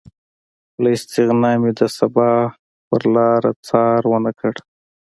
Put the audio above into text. له استغنا مې د سبا پرلاره څار ونه کړ